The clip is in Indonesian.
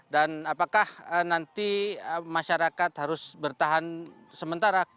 dan apakah nanti masyarakat harus bertahan sementara